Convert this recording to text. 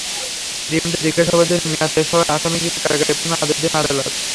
রিমান্ডে জিজ্ঞাসাবাদের মেয়াদ শেষ হওয়ায় আসামিকে কারাগারে পাঠানোর আদেশ দেন আদালত।